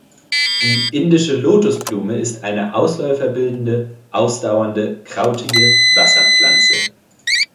Die Indische Lotosblume ist eine Ausläufer bildende, ausdauernde krautige Wasserpflanze.